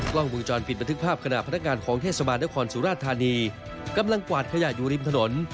กล้องวงจรปิดบันทึกภาพขณะพนักงานของเทศบาลนครสุราธานีกำลังกวาดขยะอยู่ริมถนน